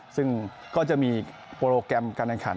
ซึ่งก็จะมีโปรแกรมการแข่งขัน